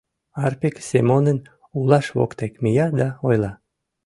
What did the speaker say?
Арпик Семонын улаж воктек мия да ойла: